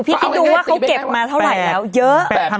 คิดดูว่าเขาเก็บมาเท่าไหร่แล้วเยอะ